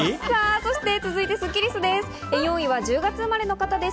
そして続いてスッキりすです。